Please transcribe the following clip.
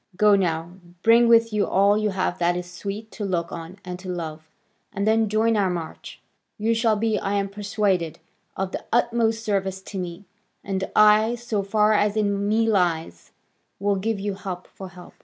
Go now, bring with you all you have that is sweet to look on and to love, and then join our march: you shall be, I am persuaded, of the utmost service to me, and I, so far as in me lies, will give you help for help."